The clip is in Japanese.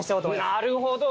なるほど！